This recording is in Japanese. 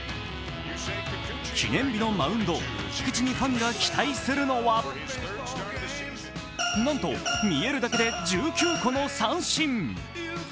記念日のマウンド、菊池にファンが期待するのはなんと見えるだけで１９個の三振。